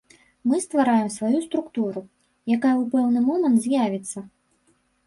Мы ствараем сваю структуру, якая ў пэўны момант з'явіцца.